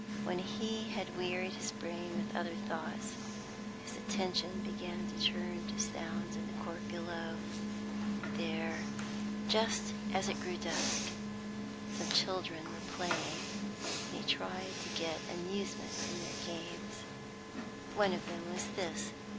When he had wearied his brain with other thoughts, his attention began to turn to sounds in the court below. There, just as it grew dusk, some children were playing, and he tried to get amusement from their games. One of them was this.